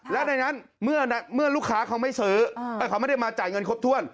และในนั้นเมื่อลูกค้าเขาไม่ซื้อเขาไม่ได้มาจ่ายเงินครบถ้วน